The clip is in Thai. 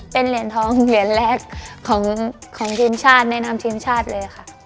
เป็นเหรียญทองเหรียญแรกของทีมชาติแนะนำทีมชาติเลยค่ะ